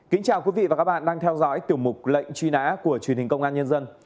kính chào quý vị và các bạn đang theo dõi tiểu mục lệnh truy nã của truyền hình công an nhân dân